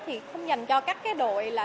thì không dành cho các đội là